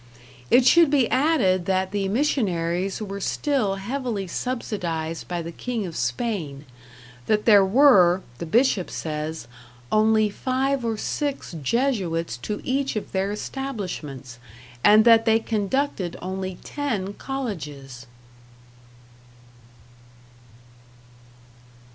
It should be added that the missionaries were still heavily subsidized by the King of Spain, that there were (the Bishop says) only five or six Jesuits to each of their establishments, and that they conducted only ten colleges.